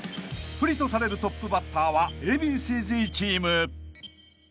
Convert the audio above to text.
［不利とされるトップバッターはＡ．Ｂ．Ｃ−Ｚチーム］